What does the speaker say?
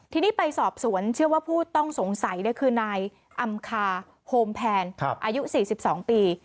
ทีนี้ไปสอบสวนเชื่อว่าผู้ต้องสงสัยคือนายอำคาโฮมแพนอายุ๔๒ปี